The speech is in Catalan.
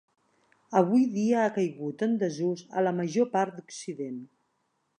Avui dia ha caigut en desús a la major part d'Occident.